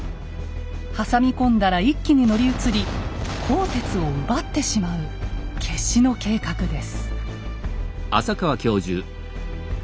挟み込んだら一気に乗り移り「甲鉄」を奪ってしまう決死の計画です。